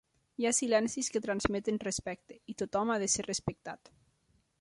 Hi ha silencis que transmeten respecte, i tothom ha de ser respectat.